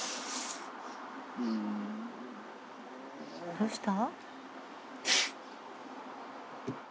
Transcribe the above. どうした？